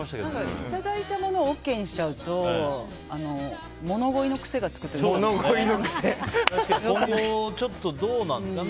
いただいたものＯＫにしちゃうと物乞いの癖がつくというかね。